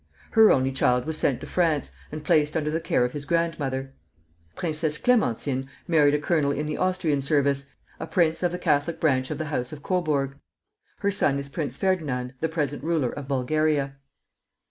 Her only child was sent to France, and placed under the care of his grandmother. Princess Clémentine married a colonel in the Austrian service, a prince of the Catholic branch of the house of Coburg. Her son is Prince Ferdinand, the present ruler of Bulgaria.